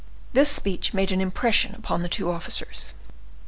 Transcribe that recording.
This speech made an impression upon the other two officers.